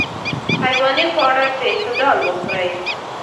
حیواني خواړه په اعتدال وخورئ.